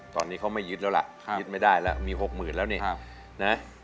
ตอนนี้เขาไม่ยึดแล้วล่ะยึดไม่ได้ล่ะมีหกหมื่นแล้วเนี่ย